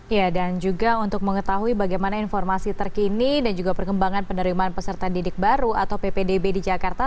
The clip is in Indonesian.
ya dan juga untuk mengetahui bagaimana informasi terkini dan juga perkembangan penerimaan peserta didik baru atau ppdb di jakarta